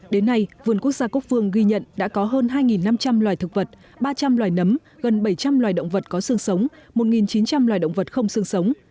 đến nay vườn quốc gia quốc phương ghi nhận đã có hơn hai năm trăm linh loài thực vật ba trăm linh loài nấm gần bảy trăm linh loài động vật có sương sống một chín trăm linh loài động vật không sương sống